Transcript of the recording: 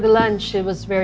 terima kasih untuk makan siang